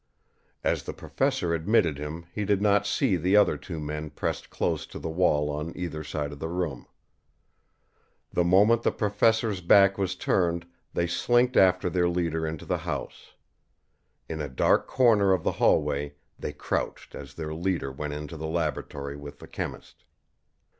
As the professor admitted him he did not see the other two men pressed close to the wall on either side of the door. The moment the professor's back was turned they slinked after their leader into the house. In a dark corner of the hallway they crouched as their leader went into the laboratory with the chemist.